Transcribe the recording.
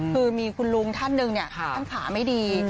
คือมีคุณลุงท่านหนึ่งท่านขาไม่ดี